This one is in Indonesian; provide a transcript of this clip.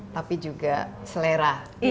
tapi juga selera